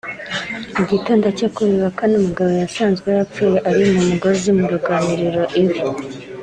Mu gitondo cyo kuri uyu wa Kane umugabo yasanzwe yapfuye ari mu mugozi mu ruganiriro iwe